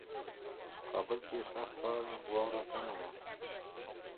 The next few years proved busy for the band.